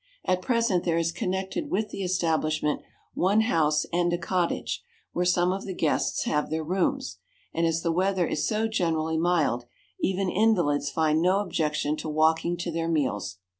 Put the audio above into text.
At present there is connected with the establishment one house and a cottage, where some of the guests have their rooms; and, as the weather is so generally mild, even invalids find no objection to walking to their meals.